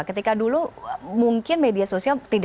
ketika dulu mungkin media sosial